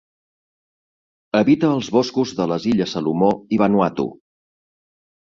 Habita els boscos de les illes Salomó i Vanuatu.